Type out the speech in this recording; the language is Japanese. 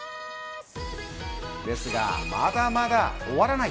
ですが、まだまだ終わらない。